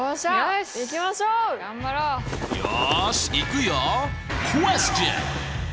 よしいくよ！